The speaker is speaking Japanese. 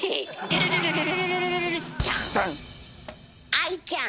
愛ちゃん